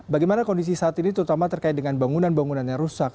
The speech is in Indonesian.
bagaimana kondisi saat ini terutama terkait dengan bangunan bangunan yang rusak